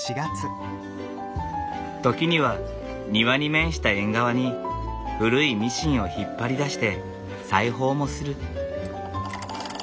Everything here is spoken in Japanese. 時には庭に面した縁側に古いミシンを引っ張り出して裁縫もする。